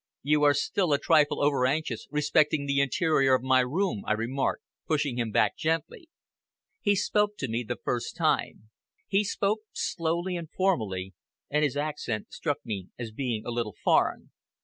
"You are still a trifle over anxious respecting the interior of my room!" I remarked, pushing him gently back. He spoke to me for the first time. He spoke slowly and formally, and his accent struck me as being a little foreign.